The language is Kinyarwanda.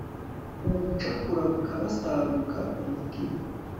ubucakura bukabasaguka umutima